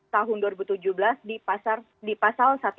tahun dua ribu tujuh belas di pasal seribu enam ratus sembilan puluh dua